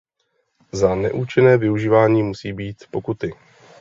Za neúčinné využívání musí být pokuty.